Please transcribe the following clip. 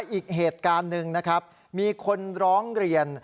อีกเหตุการณ์หนึ่งนะครับมีคนร้องเรียน